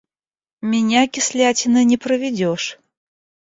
Меня кислятиной не проведешь!